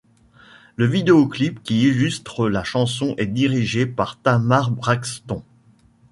Le vidéo clip qui illustre la chanson est dirigé par Tamar Braxton.